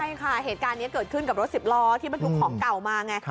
ใช่ค่ะเหตุการณ์นี้เกิดขึ้นกับรถสิบล้อที่บรรทุกของเก่ามาไง